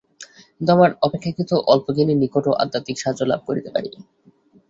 কিন্তু আমরা অপেক্ষাকৃত অল্পজ্ঞানীর নিকটও আধ্যাত্মিক সাহায্য লাভ করিতে পারি।